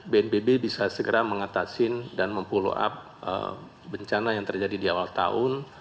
bnpb bisa segera mengatasin dan memfollow up bencana yang terjadi di awal tahun